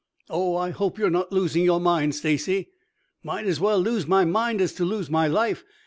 "Oh, I hope you are not losing your mind, Stacy." "Might as well lose my mind as to lose my life.